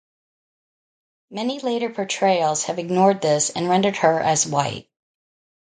Many later portrayals have ignored this and rendered her as white.